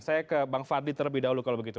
saya ke bang fadli terlebih dahulu